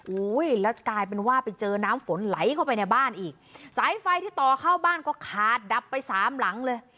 อุ้ยแล้วกลายเป็นว่าไปเจอน้ำฝนไหลเข้าไปในบ้านอีกสายไฟที่ต่อเข้าบ้านก็ขาดดับไปสามหลังเลย